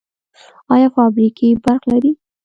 آیا فابریکې برق لري؟